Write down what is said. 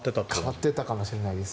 変わっていたかもしれないです。